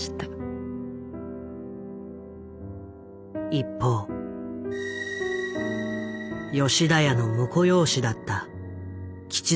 一方吉田屋の婿養子だった吉蔵は。